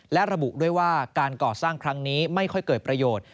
และระบุด้วยว่าการก่อสร้างครั้งนี้ไม่ค่อยเกิดประโยชน์